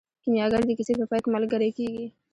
کیمیاګر د کیسې په پای کې ملګری کیږي.